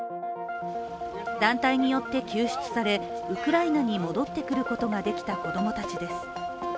団体によって救出され、ウクライナに戻ってくることができた子供たちです。